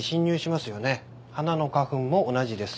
花の花粉も同じです。